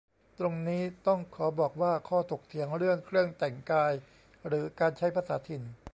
ตรงนี้ต้องขอบอกว่า ข้อถกเถียงเรื่องเครื่องแต่งกาย หรือ การใช้ภาษาถิ่น